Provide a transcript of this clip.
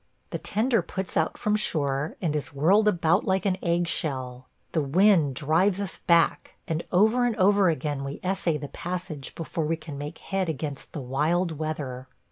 The tender puts out from shore and is whirled about like an eggshell. The wind drives us back, and over and over again we essay the passage before we can make head against the wild weather.